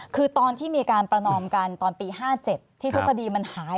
คือตอนที่มีการประนอมกันตอนปี๕๗ที่ทุกคดีมันหาย